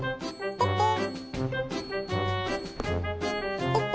ポッポー。